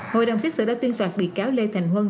hội đồng xét xử đã tuyên phạt bị cáo lê thành huân